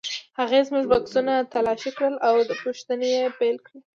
هغې زموږ بکسونه تالاشي کړل او پوښتنې یې پیل کړې.